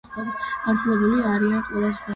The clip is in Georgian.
გავრცელებული არიან ყველა ზღვასა და ოკეანეში.